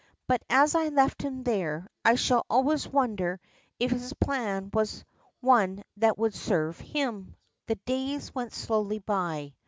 But as I left him there, I shall always wonder if his plan was one that would serve him. The days went slowly by.